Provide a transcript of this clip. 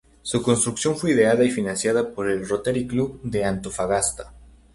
Su construcción fue ideada y financiada por el Rotary Club de Antofagasta.